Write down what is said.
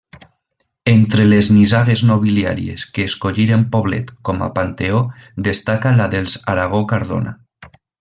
Entre les nissagues nobiliàries que escolliren Poblet com a panteó destaca la dels Aragó-Cardona.